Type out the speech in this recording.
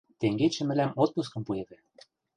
Тенгечӹ мӹлӓм отпускым пуэвӹ.